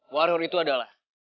warior itu adalah